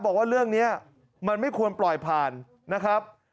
บอกว่าเรื่องนี้มันไม่ควรปล่อยผ่านนะครับ